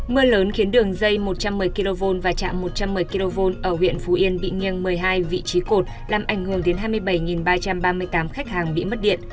mưa lớn khiến đường dây một trăm một mươi kv và trạm một trăm một mươi kv ở huyện phú yên bị nghiêng một mươi hai vị trí cột làm ảnh hưởng đến hai mươi bảy ba trăm ba mươi tám khách hàng bị mất điện